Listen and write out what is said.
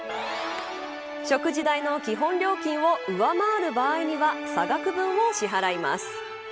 食事代の基本料金を上回る場合には差額分を支払います。